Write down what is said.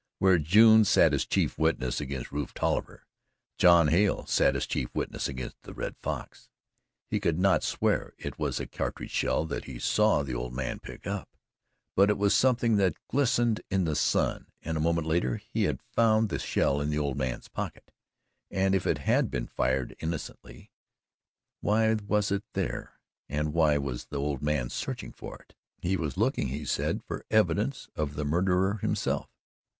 Where June sat as chief witness against Rufe Tolliver John Hale sat as chief witness against the Red Fox. He could not swear it was a cartridge shell that he saw the old man pick up, but it was something that glistened in the sun, and a moment later he had found the shell in the old man's pocket and if it had been fired innocently, why was it there and why was the old man searching for it? He was looking, he said, for evidence of the murderer himself.